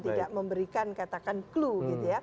tidak memberikan katakan clue